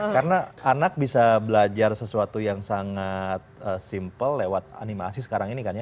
karena anak bisa belajar sesuatu yang sangat simple lewat animasi sekarang ini kan ya